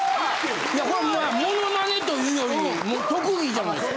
いやこれモノマネというよりもう特技じゃないですか。